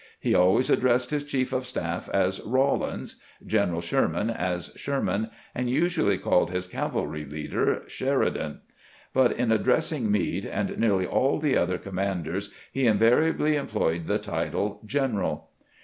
He always addressed his chief of staff as " Rawlins," Greneral Sherman as " Sherman," and usually called his cavalry leader " Sher idan "; but in addressing Meade and nearly all the other commanders he invariably employed the title " general."